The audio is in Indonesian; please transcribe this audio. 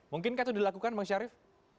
mungkinkah itu dilakukan bang syarif